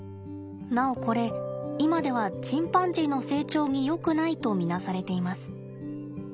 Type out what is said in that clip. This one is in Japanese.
なおこれ今ではチンパンジーの成長によくないと見なされています。